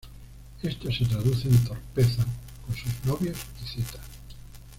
Esto se traduce en torpeza con sus novios y citas.